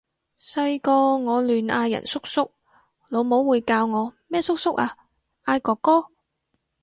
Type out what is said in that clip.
細個我亂嗌人叔叔，老母會教我咩叔叔啊！嗌哥哥！